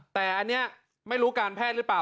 แต่อันนี้ไม่รู้การแพทย์หรือเปล่า